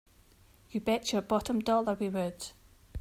You bet your bottom dollar we would!